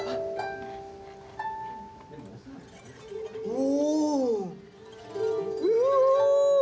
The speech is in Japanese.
お。